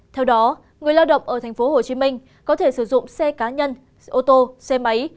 theo đó người lao động ở tp hcm có thể sử dụng xe cá nhân ô tô xe máy